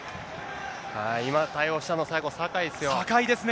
今、対応したの、最後、酒井ですね。